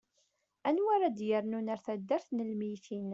anwa ara d-yernun ar tebdart n lmeyytin